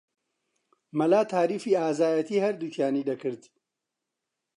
مەلا تاریفی ئازایەتیی هەردووکیانی دەکرد